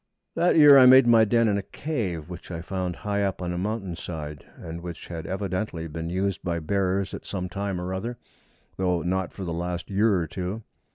That year I made my den in a cave which I found high up on a mountain side, and which had evidently been used by bears at some time or other, though not for the last year or two.